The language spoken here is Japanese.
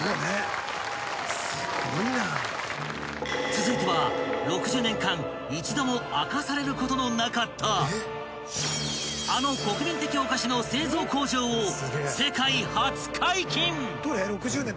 ［続いては６０年間一度も明かされることのなかったあの国民的お菓子の製造工場を世界初解禁！］